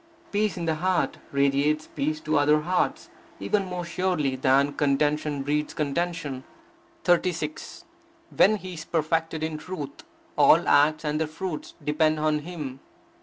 Peace in the heart radiates peace to other hearts, even more surely than contention breeds contention. 36. When he is perfected in truth, all acts and their fruits depend on him.